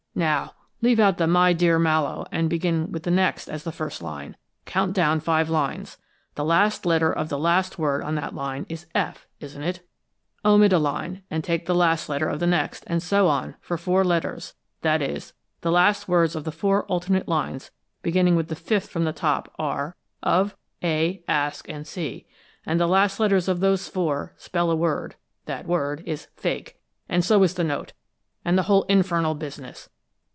Now, leave out the 'My dear Mallowe,' and beginning with the next as the first line, count down five lines. The last letter of the last word on that line is f, isn't it? Omit a line and take the last letter of the next, and so on for four letters that is, the last words of the four alternate lines beginning with the fifth from the top are: of, a, ask, and see, and the last letters of those four spell a word. That word is fake, and so is the note, and the whole infernal business!